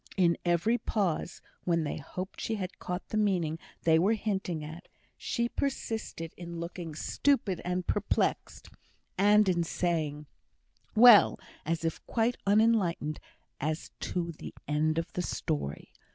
In every pause, when they hoped she had caught the meaning they were hinting at, she persisted in looking stupid and perplexed, and in saying, "Well," as if quite unenlightened as to the end of the story.